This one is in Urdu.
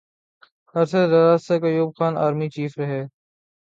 عرصہ دراز تک ایوب خان آرمی چیف رہے۔